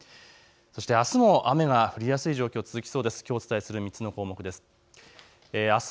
そしてあすも雨が降りやすい状況続きそうです。